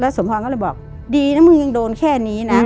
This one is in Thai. แล้วสมพรณก็เลยบอกดีนะมึงยังโดนแค่นี้น่ะอืม